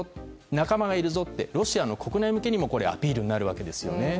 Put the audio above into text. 仲間がいるぞってロシアの国内向けにもアピールになるわけです。